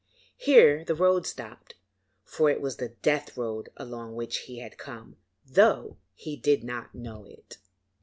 Here the road stopped; for it was the death road along which he had come, though he did not know it.